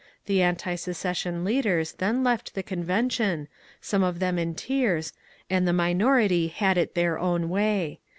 The antisecession leaders then left the convention, some of them in tears, and the minority had it their own way.